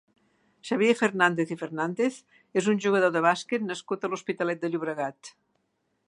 Xavier Fernàndez i Fernàndez és un jugador de bàsquet nascut a l'Hospitalet de Llobregat.